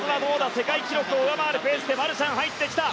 世界記録を上回るペースでマルシャン、入ってきた。